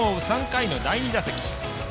３回の第２打席。